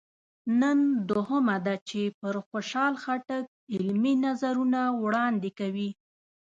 نن دوهمه ده چې پر خوشحال خټک علمي نظرونه وړاندې کوي.